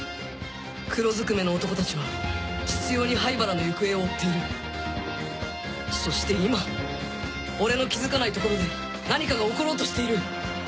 黒ずくめの男たちは執拗に灰原の行方を追っているそして今俺の気づかないところで何かが起ころうとしている！